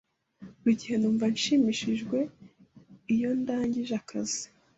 Buri gihe numva nshimishijwe iyo ndangije akazi.